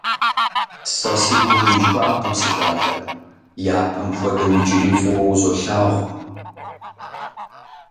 Сэ си гум уихуакъым, си щӀалэ, япэм хуэдэу, иджыри фӀыуэ узолъагъу.